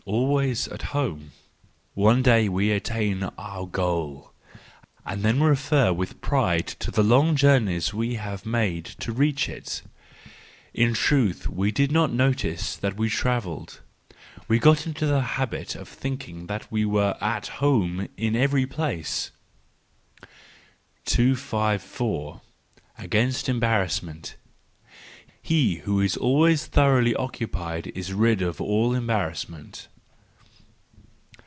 Always at Home .—One day we attain our goal — and then refer with pride to the long journeys we have made to reach it In truth, we did not notice that we travelled. We got into the habit of think¬ ing that we were at home in every place. 254. Against Embarrassment —He who is always thoroughly occupied is rid of all embarrassment.